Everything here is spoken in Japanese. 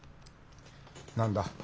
何だ？